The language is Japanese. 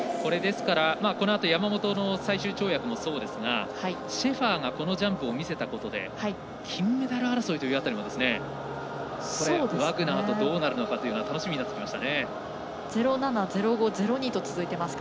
このあと山本の最終跳躍もそうですがシェファーがこのジャンプを見せたことで金メダル争いがワグナーとどうなるのかというのは楽しみになりました。